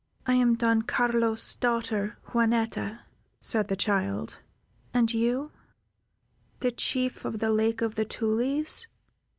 "I am Don Carlos's daughter, Juanetta," said the child, "and you, the Chief of the Lake of the Tulies?"